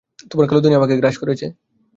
তোমার কালো দুনিয়া আমাকে গ্রাস করেছে।